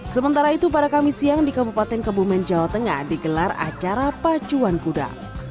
sementara itu pada kamis siang di kabupaten kebumen jawa tengah digelar acara pacuan kuda